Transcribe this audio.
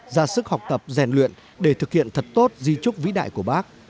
ra sức học tập rèn luyện để thực hiện thật tốt di trúc vĩ đại của bác